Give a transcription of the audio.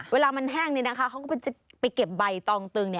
เวลามันแห้งเขาก็จะไปเก็บใบตองตึง